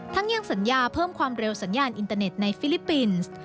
ยังสัญญาเพิ่มความเร็วสัญญาณอินเตอร์เน็ตในฟิลิปปินส์